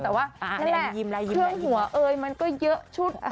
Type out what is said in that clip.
แต่ว่าเรื่องหัวเอ่ยมันก็เยอะชุด